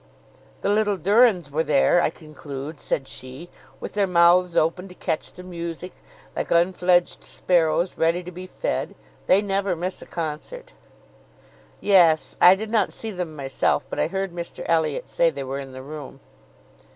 "The little Durands were there, I conclude," said she, "with their mouths open to catch the music, like unfledged sparrows ready to be fed. They never miss a concert." "Yes; I did not see them myself, but I heard Mr Elliot say they were in the room."